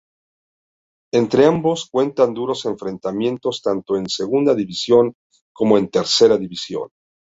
Entre ambos cuentan duros enfrentamientos tanto en Segunda División como en Tercera División.